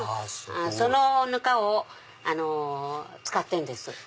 そのぬかを使ってるんです。